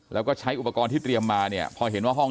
แล้วก็ใช้อุปกรณ์ที่เตรียมมาเนี่ยพอเห็นว่าห้อง